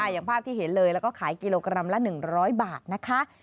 อย่างภาพที่เห็นเลยแล้วก็ขายกิโลกรัมละ๑๐๐บาทนะคะ